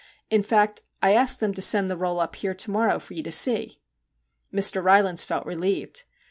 In fact, I asked them to send the roll up here to morrow for you to see. ' Mr. Rylands felt relieved.